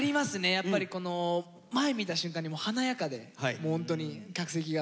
やっぱり前見た瞬間に華やかでもうホントに客席が。